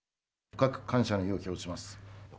深く感謝の意を表します。